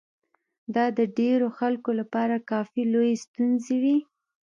دا د ډېرو خلکو لپاره کافي لويې ستونزې وې.